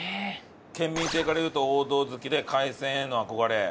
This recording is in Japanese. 県民性から言うと王道好きで海鮮への憧れ。